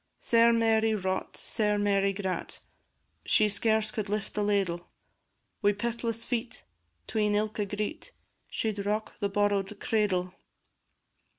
Sair Mary wrought, sair Mary grat, She scarce could lift the ladle; Wi' pithless feet, 'tween ilka greet, She 'd rock the borrow'd cradle.